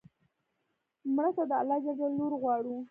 مړه ته د الله ج لور غواړو